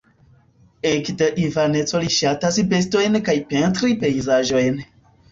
Ekde infaneco li ŝatas bestojn kaj pentri pejzaĝojn.